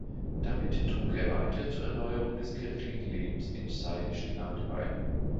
Damit trug er weiter zur Erneuerung des kirchlichen Lebens im saynischen Land bei.